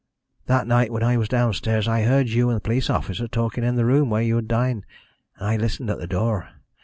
"That night when I was downstairs, I heard you and the police officer talking in the room where you had dined, and I listened at the door.